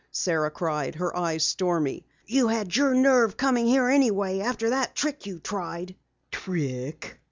Sara cried, her eyes stormy. "You had your nerve coming here anyway, after that trick you tried!" "Trick?"